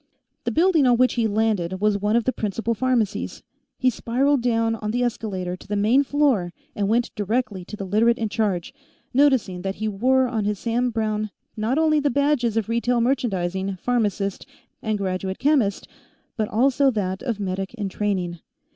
The building on which he landed was one of the principal pharmacies; he spiraled down on the escalator to the main floor and went directly to the Literate in charge, noticing that he wore on his Sam Browne not only the badges of retail merchandising, pharmacist and graduate chemist but also that of medic in training.